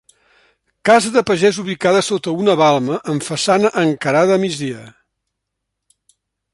Casa de pagès ubicada sota una balma amb façana encarada a migdia.